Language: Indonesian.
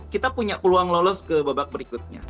kita punya peluang lolos ke babak berikutnya